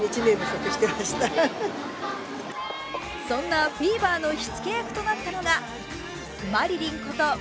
そんなフィーバーの火付け役となったのがマリリンこと